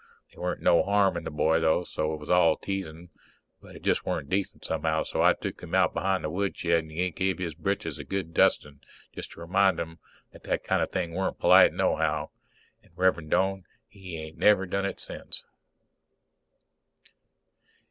There weren't no harm in the boy, though, it was all teasing. But it just weren't decent, somehow. So I tuk him out behind the woodshed and give his britches a good dusting just to remind him that that kind of thing weren't polite nohow. And Rev'rend Doane, he ain't never done it sence.